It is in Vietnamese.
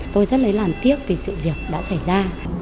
tôi rất là làm tiếc vì sự việc đã xảy ra